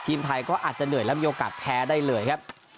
ทีมไทยก็อาจจะเหนื่อยและมีโอกาสแพ้ได้เลยครับ